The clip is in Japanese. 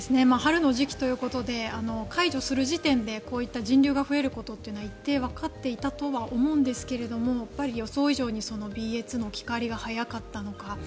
春の時期ということで解除する時点でこういった人流が増えることというのは一定、わかっていたとは思うんですが予想以上にＢＡ．２の置き換わりが早かったのか。